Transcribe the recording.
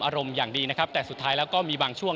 อารมณ์อย่างดีนะครับแต่สุดท้ายแล้วก็มีบางช่วง